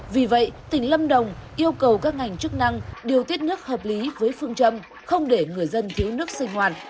vì vậy tỉnh lâm đồng yêu cầu các ngành chức năng điều tiết nước hợp lý với phương châm không để người dân thiếu nước sinh hoạt